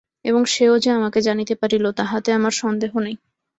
এবং সেও যে আমাকে জানিতে পারিল, তাহাতে আমার সন্দেহ নাই।